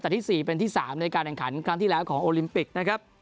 แต่ที่๔เป็นที่๓ในการแข่งขันครั้งที่แล้วของโอลิมปิกนะครับ